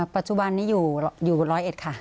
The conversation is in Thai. ปัจจุบันนี้อยู่ร้อยเอ็ดค่ะ